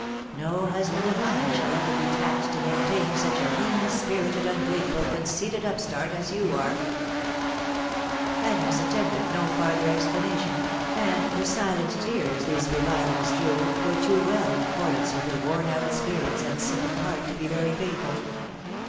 No husband of mine shall ever be taxed to maintain such * mean spirited, ungrateful, conceited upstart as you are !" Agnes attempted no farther explanation; and the silent tears these revilirigs drew, were too well in accordance with her worn out spirits arid sinking heart to be very painful.